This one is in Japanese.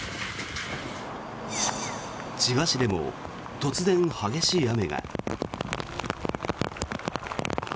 千葉市でも突然、激しい雨が。